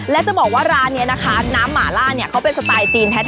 และจะบอกว่าร้านนี้นะคะน้ำหมาล่าเนี่ยเขาเป็นสไตล์จีนแท้